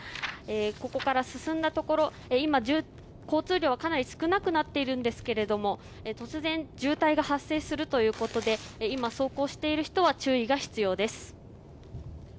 ここから進んだところ今、交通量はかなり少なくなっているんですけども突然渋滞が発生するということで今、走行している人は注意が必要です。